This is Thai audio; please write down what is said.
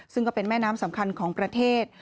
ซึ่งก็เป็นแม่น้ำสำคัญของประเทศ